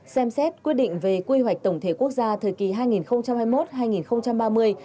xem xét quyết định về quy hoạch tổng thể quốc gia thời kỳ hai nghìn hai mươi một hai nghìn ba mươi